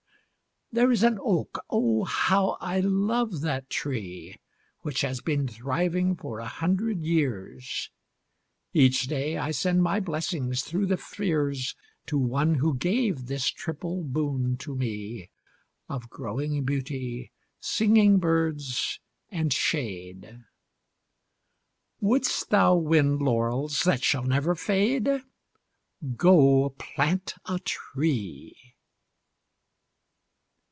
There is an oak (oh! how I love that tree) Which has been thriving for a hundred years; Each day I send my blessing through the spheres To one who gave this triple boon to me, Of growing beauty, singing birds, and shade. Wouldst thou win laurels that shall never fade? Go plant a tree.